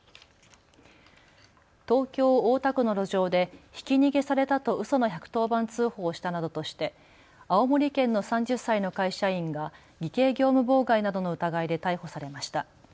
東京大田区の路上でひき逃げされたとうその１１０番通報をしたなどとして青森県の３０歳の会社員が偽計業務妨害などの疑いで逮捕されました。